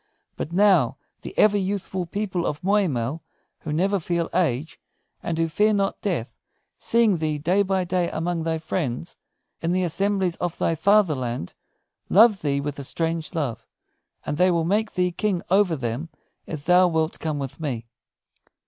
But now, the ever youthful people of Moy mell, who never feel age, and who fear not death, seeing thee day by day among thy friends, in the assemblies of thy fatherland, love thee with a strange love, and they will make thee King over them if thou wilt come with me."